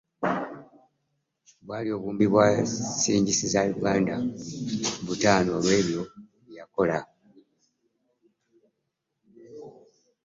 Bwali obuwumbi bwa ssiringi za Uganda butaano olw'ebyo bye yakola.